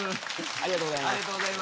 ありがとうございます。